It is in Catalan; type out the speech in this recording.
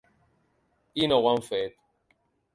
I no ho han fet.